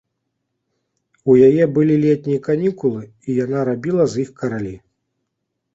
У яе былі летнія канікулы, і яна рабіла з іх каралі.